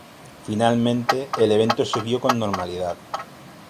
Finalmente, el evento siguió con normalidad.